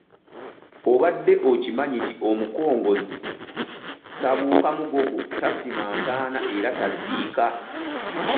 Obadde okimanyi nti omukongozzi tabuuka mugogo, tasima ntaana era taziika?.